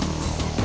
terima kasih wak